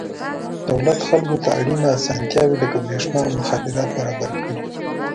دولت خلکو ته اړینې اسانتیاوې لکه برېښنا او مخابرات برابر کړي.